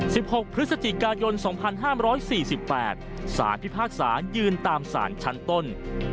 หกพฤศจิกายนสองพันห้ามร้อยสี่สิบแปดสารพิพากษายืนตามสารชั้นต้น